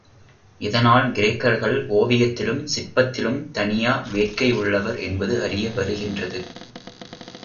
இதனால், கிரேக்கர்கள் ஒவியத்திலும் சிற்பத்திலும் தனியா வேட்கையுள்ளவர் என்பது அறிய வருகின்றது.